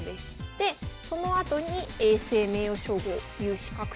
でそのあとに永世・名誉称号有資格者と。